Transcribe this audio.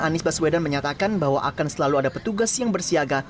anies baswedan menyatakan bahwa akan selalu ada petugas yang bersiaga